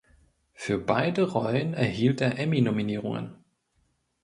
Für beide Rollen erhielt er Emmy-Nominierungen.